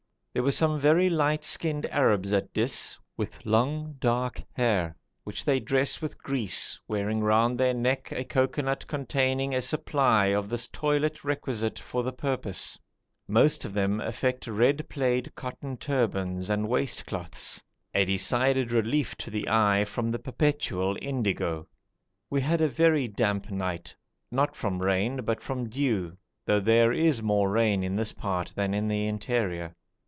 There were some very light skinned Arabs at Dis, with long dark hair, which they dress with grease, wearing round their neck a cocoanut containing a supply of this toilet requisite for the purpose. Most of them affect red plaid cotton turbans and waist cloths, a decided relief to the eye from the perpetual indigo. We had a very damp night, not from rain but from dew, though there is more rain in this part than in the interior.